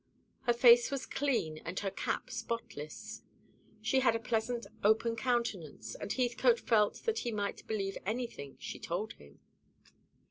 Her face was clean, and her cap spotless. She had a pleasant open countenance, and Heathcote felt that he might believe anything she told him.